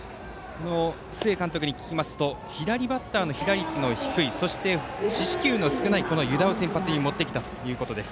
須江監督に聞きますと左バッターの被打率の低いそして四死球が少ない湯田を先発に持ってきたということです。